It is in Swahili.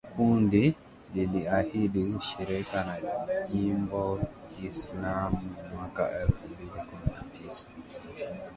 Pia kundi liliahidi ushirika na Jimbo Kiislamu mwaka elfu mbili kumi na tisa